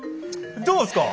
どうっすか？